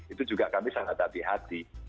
itu juga kami sangat hati hati